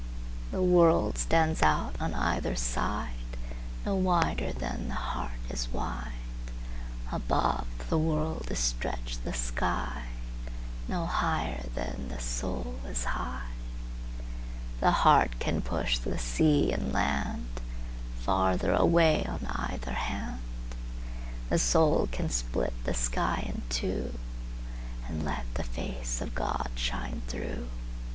The world stands out on either sideNo wider than the heart is wide; Above the world is stretched the sky,—No higher than the soul is high. The heart can push the sea and landFarther away on either hand; The soul can split the sky in two, And let the face of God shine through.